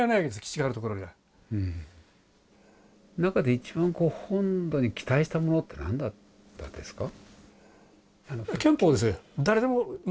中で一番こう本土に期待したものって何だったんですか？